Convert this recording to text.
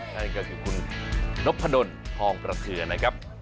นั่นก็คือคุณนพดลทองประเทือนะครับ